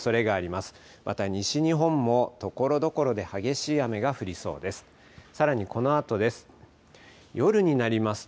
また西日本もところどころで激しい雨が降りそうです。